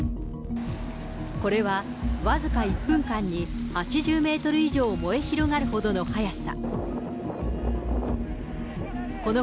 これは僅か１分間に８０メートル以上燃え広がるほどの速さ。